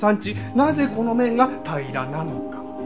なぜこの面が平らなのか？